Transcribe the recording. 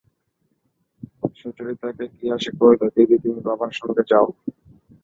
সুচরিতাকে গিয়া সে কহিল, দিদি, তুমি বাবার সঙ্গে যাও।